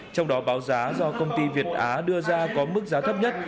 trong đó báo giá do công ty việt á đưa ra có mức giá thấp nhất